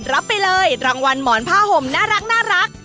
รับไปเลยรางวัลหมอนผ้าห่มน่ารัก